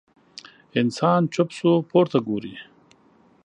انسان چوپ شو، پورته ګوري.